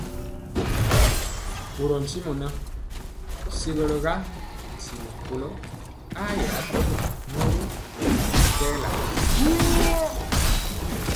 Ɓorɔɔ ntimɔ ŋan, segɔlɔ ga ntimɔ kɔlo ayɛ atɔmbɔ mori mɛkóra kɛɛla ŋɛ beŋa.